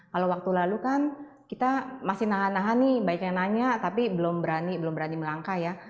kalau waktu lalu kan kita masih nahan nahan nih banyak yang nanya tapi belum berani belum berani melangkah ya